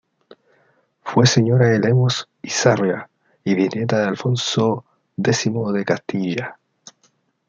Fue señora de Lemos y Sarria y bisnieta de Alfonso X de Castilla.